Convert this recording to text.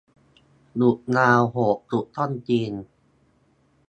หยุดยาวโหดสุดต้องจีน